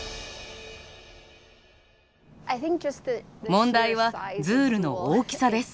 問題はズールの大きさです。